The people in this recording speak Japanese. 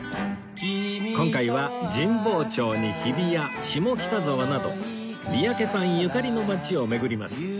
今回は神保町に日比谷下北沢など三宅さんゆかりの街を巡ります